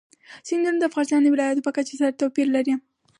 سیندونه د افغانستان د ولایاتو په کچه توپیر لري.